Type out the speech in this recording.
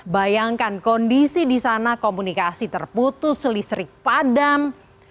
bayangkan kondisi di sana komunikasi terputus listrik padam